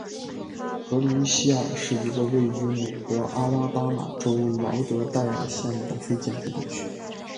格林希尔是一个位于美国阿拉巴马州劳德代尔县的非建制地区。